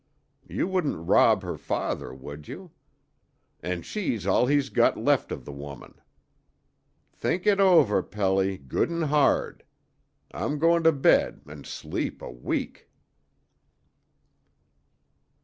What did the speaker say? You wouldn't rob her father, would you? An' she's all he's got left of the woman. Think it over, Pelly, good 'n' hard. I'm going to bed an' sleep a week!"